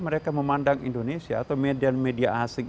mereka memandang indonesia atau median media asing